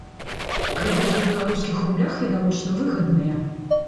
Крэдыты ў беларускіх рублях, відавочна, выгадныя.